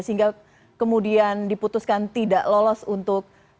sehingga kemudian diputuskan tidak lolos untuk